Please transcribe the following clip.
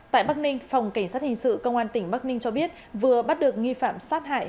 tại bắc ninh phòng cảnh sát hình sự công an tỉnh bắc ninh cho biết vừa bắt được nghi phạm sát hại